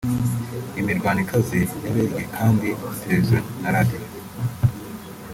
Imirwano ikaze yaberye kandi kuri Televiziyo na Radio